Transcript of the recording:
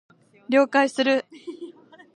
了解する